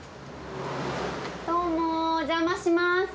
どうもおじゃまします！